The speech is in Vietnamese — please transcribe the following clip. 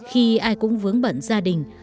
khi ai cũng vướng bẩn gia đình